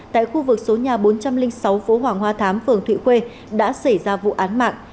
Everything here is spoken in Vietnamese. tại khu vực số nhà bốn trăm linh sáu phố hoàng hoa thám phường thụy khuê đã xảy ra vụ án mạng